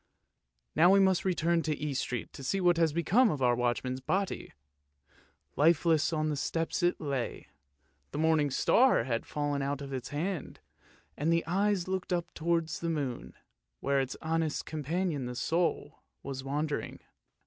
Now we must return to East Street to see what has become of the watchman's body. Lifeless on the steps it lay ; the Morning Star 1 had fallen out of its hand, and the eyes looked up towards the moon, where its honest companion the soul was wandering.